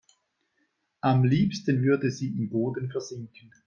Am liebsten würde sie im Boden versinken.